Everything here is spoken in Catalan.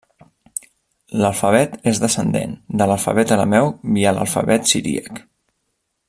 L'alfabet és descendent de l'alfabet arameu via l'alfabet siríac.